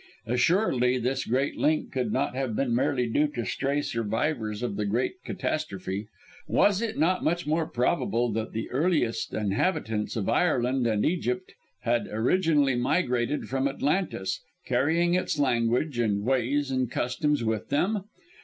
"Assuredly this great link could not have been merely due to stray survivors of the great catastrophe! Was it not much more probable that the earliest inhabitants of Ireland and Egypt had originally migrated from Atlantis, carrying its language, and ways and customs with them?